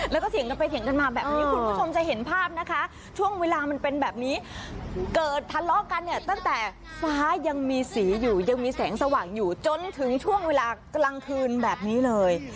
แล้วก็เถียงกันไปเถียงกันมาแบบนี้คุณผู้ชมจะเห็นภาพนะคะช่วงเวลามันเป็นแบบนี้เกิดทะเลาะกันเนี่ยตั้งแต่ฟ้ายังมีสีอยู่ยังมีแสงสว่างอยู่จนถึงช่วงเวลากลางคืนแบบนี้เลย